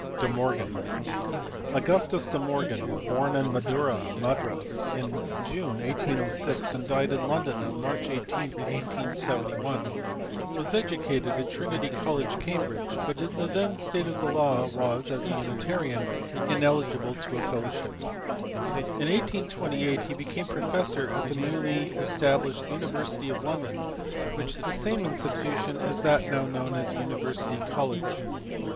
De Morgan*. Augustus De Morgan, born in Madura (Madras) in June, 1806 and died in London on March 18, 1871, was educated at Trinity College, Cambridge, but in the then state of the law was (as a Unitarian) ineligible to a fellowship. In 1828 he became professor at the newly established university of London, which is the same institution as that now known as University College.